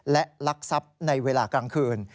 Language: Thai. และลักทรัพย์ในเวลากลางคืน